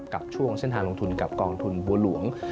กับช่วงเส้นทางลงทุนกับกองทุนบัวหลวง